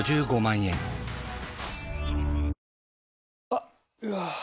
あっ、うわー。